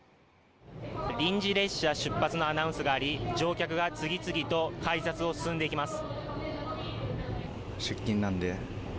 臨時列車出発のアナウンスがあり乗客が次々と改札を進んでいきます。